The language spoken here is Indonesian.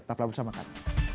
tepatlah bersama kami